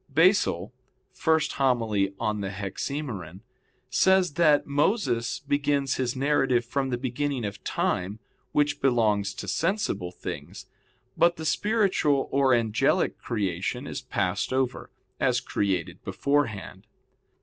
Basil [*Hom. i in Hexaem.] says that Moses begins his narrative from the beginning of time which belongs to sensible things; but that the spiritual or angelic creation is passed over, as created beforehand.